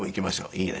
「いいね。